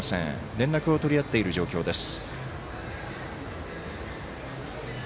連絡を取り合っている状況です。